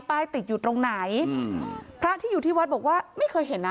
ติดอยู่ตรงไหนอืมพระที่อยู่ที่วัดบอกว่าไม่เคยเห็นนะ